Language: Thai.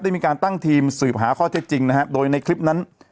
มีการตั้งทีมสืบหาข้อเท็จจริงนะฮะโดยในคลิปนั้น